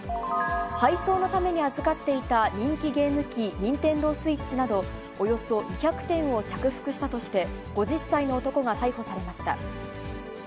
配送のために預かっていた人気ゲーム機、ニンテンドースイッチなど、およそ２００点を着服したとして、５０歳の男が逮捕されました。